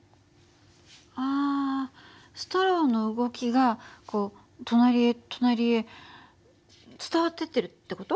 あストローの動きがこう隣へ隣へ伝わってってるって事？